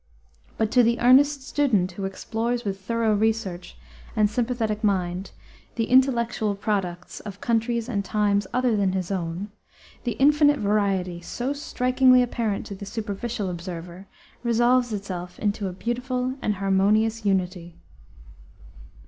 But to the earnest student who explores with thorough research and sympathetic mind the intellectual products of countries and times other than his own, the infinite variety, so strikingly apparent to the superficial observer, resolves itself into a beautiful and harmonious unity.